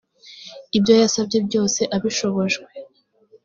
ibyo yasabye byose abishobojwe